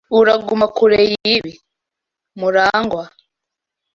Uraguma kure yibi, Murangwa.